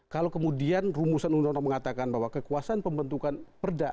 kalau kemudian rumusan undang undang mengatakan bahwa kekuasaan pembentukan perda